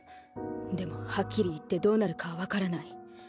でもはっきり言ってどうなるかはわからない。